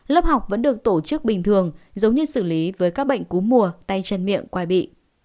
lớp học vẫn được tổ chức bình thường giống như xử lý với các bệnh cú mùa tay chân miệng quay bị